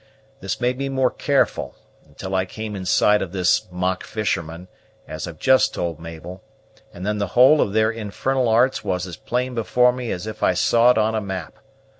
This made me more careful, until I came in sight of this mockfisherman, as I've just told Mabel; and then the whole of their infernal arts was as plain before me as if I saw it on a map.